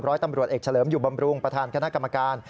ร้อยตำรวจเอกเฉลิมอยู่บำรุงประธานคณะกรรมการ